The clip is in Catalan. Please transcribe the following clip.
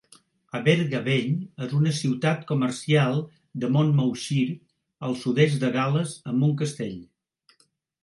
Abergavenny és una ciutat comercial de Monmouthshire, al sud-est de Gal·les, amb un castell.